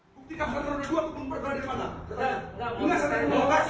bukti kapal tersebut berada di mana